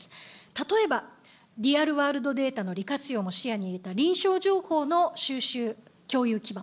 例えば、リアルワールドデータの利活用も視野に入れた臨床情報の収集、共有基盤、